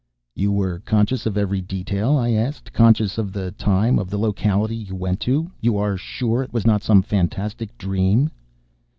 "You were conscious of every detail?" I asked. "Conscious of the time, of the locality you went to? You are sure it was not some fantastic dream?"